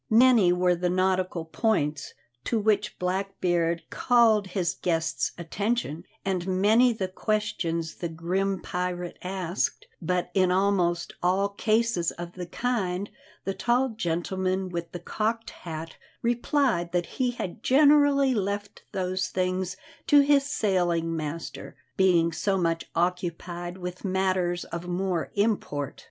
Many were the nautical points to which Blackbeard called his guest's attention and many the questions the grim pirate asked, but in almost all cases of the kind the tall gentleman with the cocked hat replied that he generally left those things to his sailing master, being so much occupied with matters of more import.